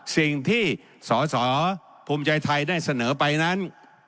สิ่งที่สสภูมิใจไทยได้เสนอไปนั้น